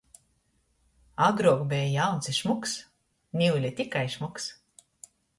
Agruok beju jauns i šmuks – niule tikai šmuks!